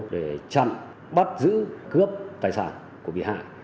để chặn bắt giữ cướp tài sản của bị hại